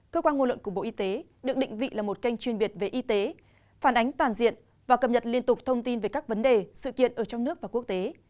cơ quan ngôn luận của bộ y tế được định vị là một kênh chuyên biệt về y tế phản ánh toàn diện và cập nhật liên tục thông tin về các vấn đề sự kiện ở trong nước và quốc tế